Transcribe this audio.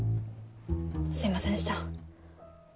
すいませんでした。